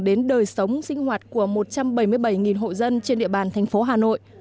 đến đời sống sinh hoạt của một trăm bảy mươi bảy hộ dân trên địa bàn thành phố hà nội